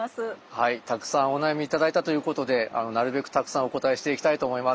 はいたくさんお悩み頂いたということでなるべくたくさんお答えしていきたいと思います。